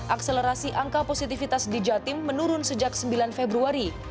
akselerasi angka positifitas di jatim menurun sejak sembilan februari